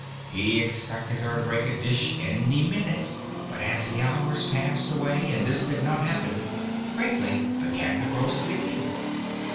He expected her to break a dish any minute, but as the hours passed away and this did not happen Crinklink began to grow sleepy.